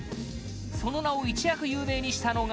その名を一躍有名にしたのが